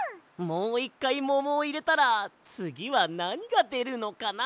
もういっかいももをいれたらつぎはなにがでるのかな？